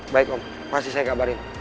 baik om pasti saya kabarin